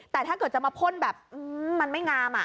แต่ถ้าเกิดจะมาพ่นแบบมันไม่งาม